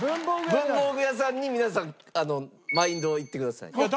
文房具屋さんに皆さんマインドをいってください。